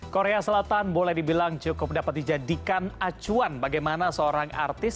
korea selatan boleh dibilang cukup dapat dijadikan acuan bagaimana seorang artis